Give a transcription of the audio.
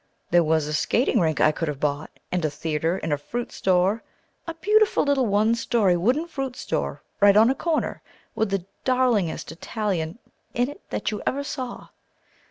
There was a skating rink I could have bought, and a theatre and a fruit store, a beautiful little one story wooden fruit store, right on a corner, with the darlingest Italian in it that you ever saw.